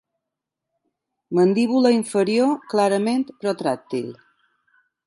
Mandíbula inferior clarament protràctil.